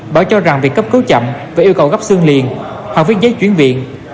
bảo cho rằng việc cấp cứu chậm và yêu cầu góp xương liền họ viết giấy chuyển viện